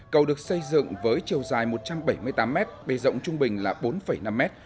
cầu được xây dựng với chiều dài một trăm bảy mươi tám mét bề rộng trung bình là bốn năm mét